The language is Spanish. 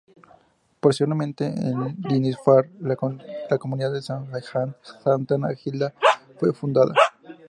Posteriormente, en Lindisfarne, la Comunidad de San Aidan y Santa Hilda fue fundada.